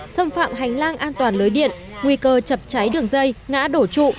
xâm phạm hành lang an toàn lưới điện nguy cơ chập cháy đường dây ngã đổ trụ